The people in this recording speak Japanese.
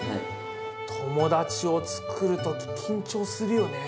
友達を作るとき、緊張するよね。